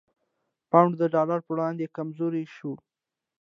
پونډ د ډالر په وړاندې کمزوری شو؛